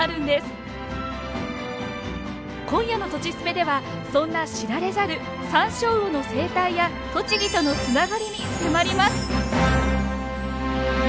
今夜の「とちスペ」ではそんな知られざるサンショウウオの生態や栃木とのつながりに迫ります。